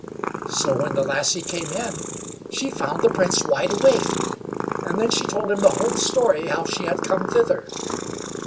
So, when the lassie came in, she found the Prince wide awake; and then she told him the whole story how she had come thither.